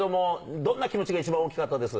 どんな気持ちが一番大きかったです？